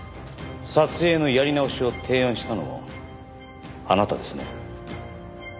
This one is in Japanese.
撮影のやり直しを提案したのもあなたですね。